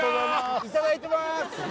いただいてまーす